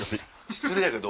失礼やけど。